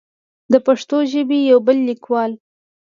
د پښتو ژبې يو بل ليکوال